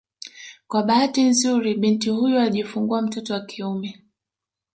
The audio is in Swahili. Kwa bahati nzuri binti huyo alijifungua mtoto wa kiume